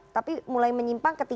tapi mulai menyimpang ketika